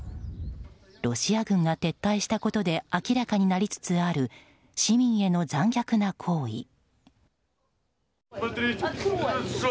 ロシア軍が撤退したことで明らかになりつつある市民への残虐な行為。